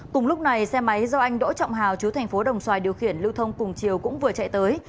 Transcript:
cùng lúc này xe máy do anh đỗ trọng hào chú thành phố đồng xoài điều khiển lưu thông cùng chiều cũng vừa chạy tới